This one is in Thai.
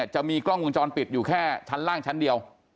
จะมีกล้องวงจรปิดอยู่แค่ชั้นล่างชั้นเดียว